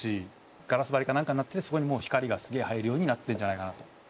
ガラス張りか何かになっててそこにもう光がすげえ入るようになってんじゃないかなと。